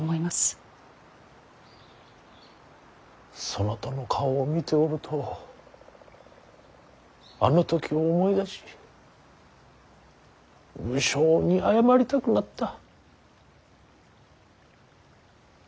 そなたの顔を見ておるとあの時を思い出し無性に謝りたくなった。